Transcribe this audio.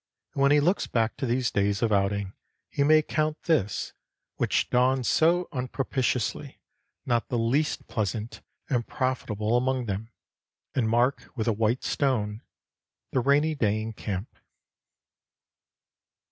And when he looks back to these days of outing he may count this, which dawned so unpropitiously, not the least pleasant and profitable among them, and mark with a white stone the rainy day in camp.